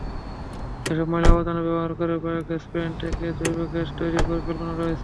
এসব ময়লা-আবর্জনা ব্যবহার করে বায়োগ্যাস প্লান্ট থেকে জৈবগ্যাস তৈরিরও পরিকল্পনা রয়েছে।